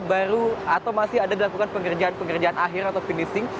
baru atau masih ada dilakukan pengerjaan pengerjaan akhir atau finishing